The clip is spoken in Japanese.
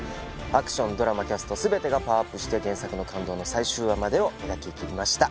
アクションドラマキャスト全てがパワーアップして原作の感動の最終話までを描き切りました